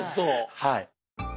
はい。